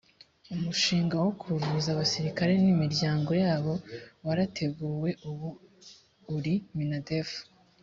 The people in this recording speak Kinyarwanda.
umushinga wo kuvuza abasirikare n’ imiryango yabo warateguwe ubu uri minadef